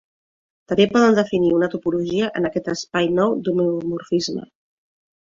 També poden definir una topologia en aquest espai nou d'homeomorfisme.